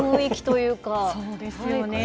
そうですよね。